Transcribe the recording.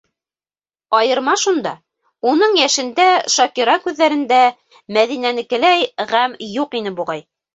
Айырма шунда: уның йәшендә Шакира күҙҙәрендә Мәҙинәнекеләй ғәм юҡ ине, буғай.